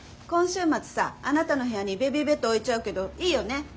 今週末さあなたの部屋にベビーベッド置いちゃうけどいいよね？